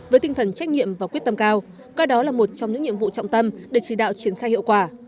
với tinh thần trách nhiệm và quyết tâm cao coi đó là một trong những nhiệm vụ trọng tâm để chỉ đạo triển khai hiệu quả